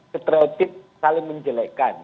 seterotip saling menjelekkan